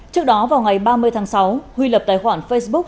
trước đó vào ngày ba mươi tháng sáu huy lập tài khoản facebook